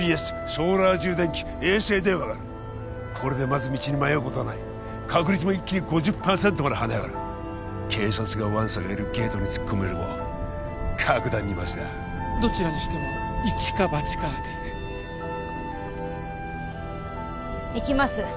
ソーラー充電器衛星電話があるこれでまず道に迷うことはない確率も一気に５０％まで跳ね上がる警察がわんさかいるゲートに突っ込むよりも格段にマシだどちらにしても一か八かですね行きます